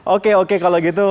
oke oke kalau gitu